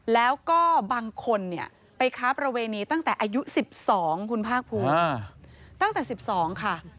แล้วก็บางคนเนี่ยไปค้าประเวณีตั้งแต่อายุ๑๒คุณภาคภูมิตั้งแต่๑๒ค่ะ